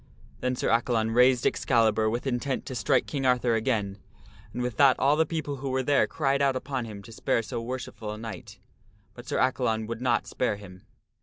Then Sir Accalon raised Excalibur with intent to strike King Arthur again, and with that all the people who were there cried out upon him to spare so worshipful a knight. But Sir Accalon would not spare him.